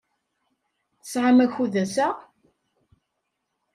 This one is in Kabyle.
Tesɛam akud ass-a?